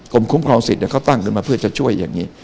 กรมคุมความสิทธิ์เนี่ยเขาตั้งขึ้นมาเพื่อจะช่วยอย่างนี้